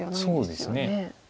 そうですね。